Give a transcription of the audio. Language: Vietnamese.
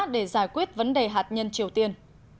để giải quyết vấn đề hạt nhân triều tiên